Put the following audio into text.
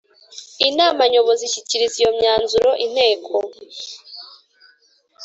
Inama nyobozi ishikiriza iyo myanzuro inteko